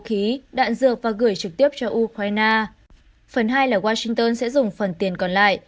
khí đạn dược và gửi trực tiếp cho ukraine phần hai là washington sẽ dùng phần tiền còn lại